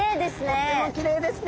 とってもきれいですね。